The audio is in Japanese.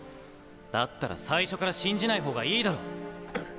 だったら最初から信じないほうがいいだろ？っ。